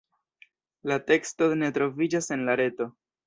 La teksto ne troviĝas en la reto.